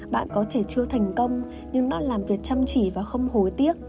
bạn có thể chưa thành công nhưng nó làm việc chăm chỉ và không hối tiếc